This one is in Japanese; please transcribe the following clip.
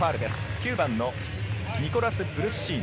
９番のニコラス・ブルッシーノ。